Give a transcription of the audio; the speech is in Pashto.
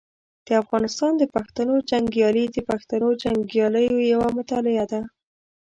د افغانستان د پښتنو جنګیالي د پښتنو جنګیالیو یوه مطالعه ده.